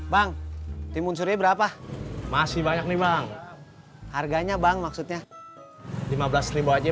bang timun suri berapa masih banyak nih bang harganya bang maksudnya lima belas aja